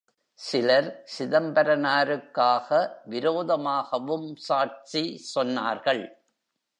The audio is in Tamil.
சிலர், சிதம்பரனாருக்காக விரோதமாகவும் சாட்சி சொன்னார்கள்!